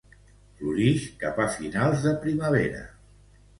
Florix cap a finals de primavera.